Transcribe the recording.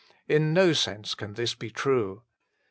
In no sense can this be true.